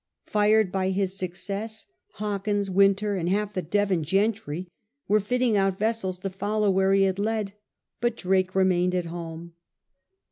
Fired by his success, Hawkins, Wynter, and half the Devon gentry were fitting out vessels to follow where he had led, but Drake remained at home.